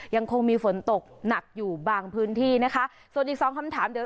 ยังคงมีฝนตกหนักอยู่บางพื้นที่นะคะส่วนอีกสองคำถามเดี๋ยว